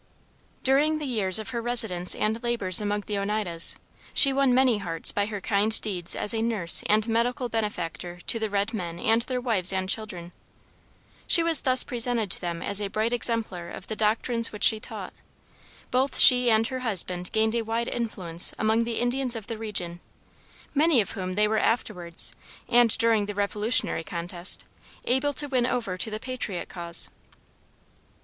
During the years of her residence and labors among the Oneidas, she won many hearts by her kind deeds as a nurse and medical benefactor to the red men and their wives and children. She was thus presented to them as a bright exemplar of the doctrines which she taught. Both she and her husband gained a wide influence among the Indians of the region, many of whom they were afterwards and during the Revolutionary contest, able to win over to the patriot cause.